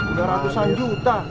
udah ratusan juta